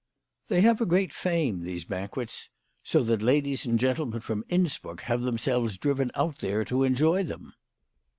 They have a great fame, these banquets ; so that ladies and gentlemen from Innsbruck have themselves driven out here to enjoy them.